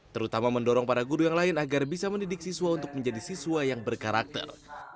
terutama mendorong para guru yang lain agar bisa mendidik siswa untuk menjadi siswa yang berkarakter